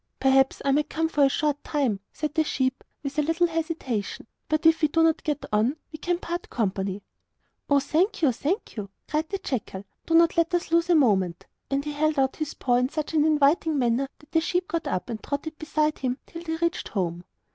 'Perhaps I might come for a short time,' said the sheep, with a little hesitation; 'and if we do not get on, we can part company.' 'Oh, thank you, thank you,' cried the jackal; 'do not let us lose a moment.' And he held out his paw in such an inviting manner that the sheep got up and trotted beside him till they reached home.